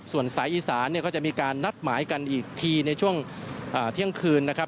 ส่วนสายอีสานเนี่ยก็จะมีการนัดหมายกันอีกทีในช่วงเที่ยงคืนนะครับ